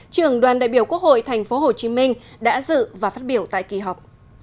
trường đoàn đại biểu quốc hội tp hcm đã dự và phát biểu tại kỳ họp